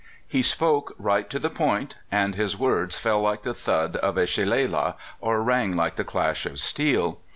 He spoke right to the point, and his words fell like the thud of a shillalah or rang like the clash of steel.